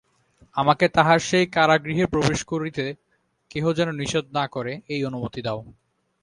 আমাকে তাহার সেই কারাগৃহে প্রবেশ করিতে কেহ যেন নিষেধ না করে এই অনুমতি দাও।